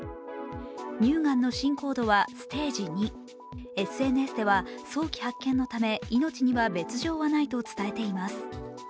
乳がんの進行度はステージ２、ＳＮＳでは早期発見のため命には別状はないと伝えています。